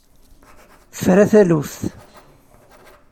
Tefra taluft!